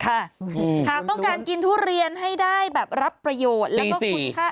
หากต้องการกินทุเรียนให้ได้แบบรับประโยชน์แล้วก็คุณค่า